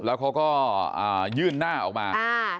แล้วเขาก็ยื่นหน้าออกมา